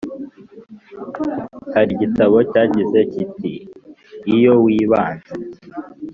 hari igitabo cyagize kiti iyo wibanze